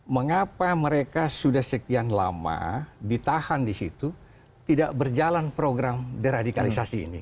mengapa mereka sudah sekian lama ditahan di situ tidak berjalan program deradikalisasi ini